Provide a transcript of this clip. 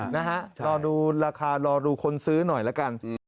นะฮะรอดูราคารอดูคนซื้อหน่อยละกัน